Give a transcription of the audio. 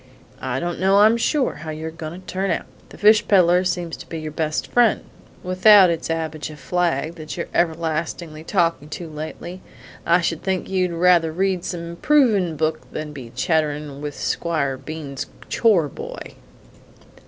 I don't know, I'm sure, how you're goin' to turn out! The fish peddler seems to be your best friend, without it's Abijah Flagg that you're everlastingly talkin' to lately. I should think you'd rather read some improvin' book than to be chatterin' with Squire Bean's chore boy!"